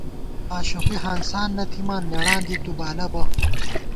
آشوقی ہانسان نہ تھِمان نېڑاں دی تُو بالہ بہ